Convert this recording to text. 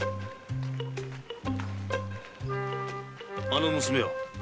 あの娘は？